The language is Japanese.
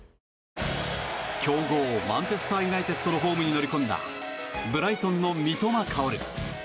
強豪マンチェスター・ユナイテッドのホームに乗り込んだブライトンの三笘薫。